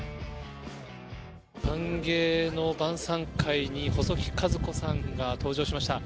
歓迎の晩さん会に細木数子さんが登場しました。